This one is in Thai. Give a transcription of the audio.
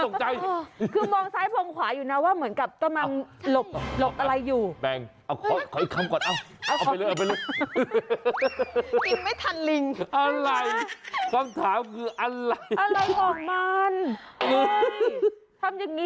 ตกใจคือมองซ้ายมองขวาอยู่นะว่าเหมือนกับกำลังหลบหลบอะไรอยู่